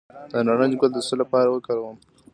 د نارنج ګل د څه لپاره وکاروم؟